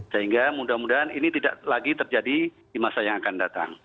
sehingga mudah mudahan ini tidak lagi terjadi di masa yang akan datang